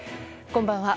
こんばんは。